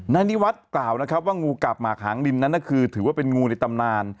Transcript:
นายนิวัฒน์กล่าวนะครับว่างูกาบหมากหางดินนั้นคือถือว่าเป็นงูในตำนาน